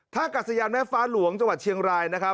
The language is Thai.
กัศยานแม่ฟ้าหลวงจังหวัดเชียงรายนะครับ